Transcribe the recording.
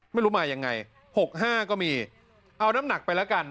ไม่รู้มายังไง๖๕ก็มีเอาน้ำหนักไปแล้วกัน